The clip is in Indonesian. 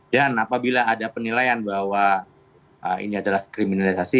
dan apabila ada penilaian bahwa ini adalah kriminalisasi